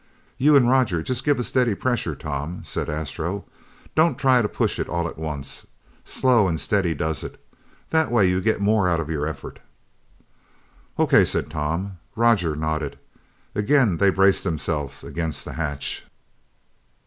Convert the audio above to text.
"You and Roger just give a steady pressure, Tom," said Astro. "Don't try to push it all at once. Slow and steady does it! That way you get more out of your effort." "O.K.," said Tom. Roger nodded. Again they braced themselves against the hatch.